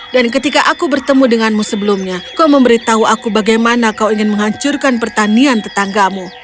dan ketika aku bertemu denganmu sebelumnya kau memberitahu aku bagaimana kau ingin menghancurkan pertanian tetanggamu